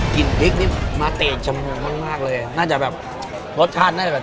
พริกนี่มาเตะจมูกมากมากเลยน่าจะแบบรสชาติน่าจะแบบ